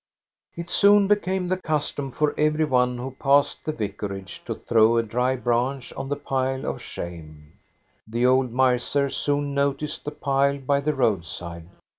It soon became the custom for every one who passed the vicarage to throw a dry branch on the pile of shame. The old miser soon noticed the pile by the road side.